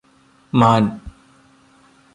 മാൻ